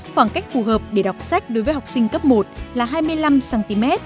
khoảng cách phù hợp để đọc sách đối với học sinh cấp một là hai mươi năm cm